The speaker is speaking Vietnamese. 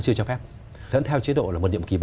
chưa cho phép thẫn theo chế độ là một nhiệm kỳ